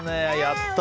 やった！